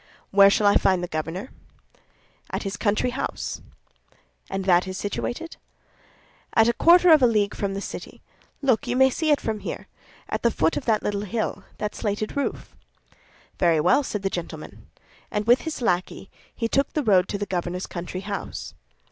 "Where shall I find the governor?" "At his country house." "And that is situated?" "At a quarter of a league from the city. Look, you may see it from here—at the foot of that little hill, that slated roof." "Very well," said the gentleman. And, with his lackey, he took the road to the governor's country house.